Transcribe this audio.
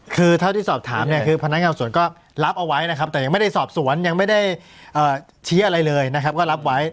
คือเท่าที่สอบถามเนี่ยคือพนักงานสวนก็รับเอาไว้นะครับแต่ยังไม่ได้สอบสวนยังไม่ได้ชี้อะไรเลยนะครับก็รับไว้